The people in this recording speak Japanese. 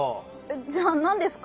じゃあなんですか？